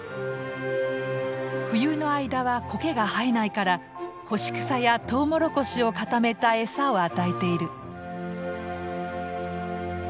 冬の間はコケが生えないから干し草やトウモロコシを固めたエサを与えている。